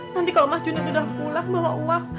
nanti kalau mas juna tuh udah pulang bawa uang